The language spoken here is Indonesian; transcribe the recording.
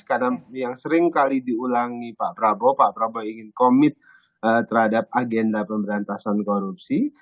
karena yang seringkali diulangi pak prabowo pak prabowo ingin komit terhadap agenda pemberantasan korupsi